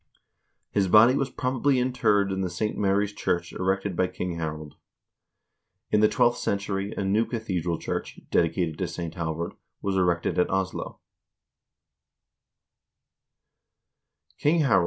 His body was probably interred in the St Mary's church erected by King Harald. In the twelfth century a new cathedral church, dedicated to St. Halvard, was erected at Oslo.